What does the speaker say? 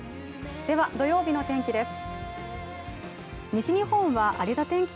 では土曜日の天気です。